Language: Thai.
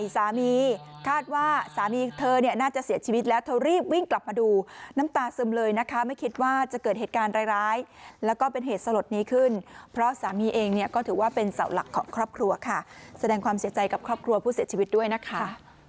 สามีคาดว่าสามีเธอเนี่ยน่าจะเสียชีวิตแล้วเธอรีบวิ่งกลับมาดูน้ำตาซึมเลยนะคะไม่คิดว่าจะเกิดเหตุการณ์ร้ายแล้วก็เป็นเหตุสลดนี้ขึ้นเพราะสามีเองเนี่ยก็ถือว่าเป็นเสาหลักของครอบครัวค่ะแสดงความเสียใจกับครอบครัวผู้เสียชีวิตด้วยนะคะ